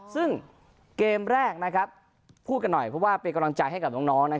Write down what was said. ซึ่งเกมแรกพูดกันหน่อยเพราะว่าเป็นกำลังใจให้กับน้อง